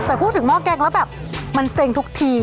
แต่พูดถึงหม้อแกงแล้วแบบมันเซ็งทุกที